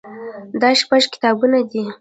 دا شپږ کتابونه دي.